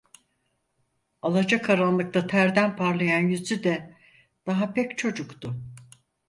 Alacakaranlıkta terden parlayan yüzü de daha pek çocuktu.